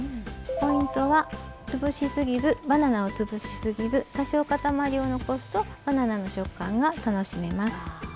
ポイントはつぶしすぎずバナナをつぶしすぎず多少塊を残すとバナナの食感が楽しめます。